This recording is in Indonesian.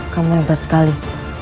kamu hebat sekali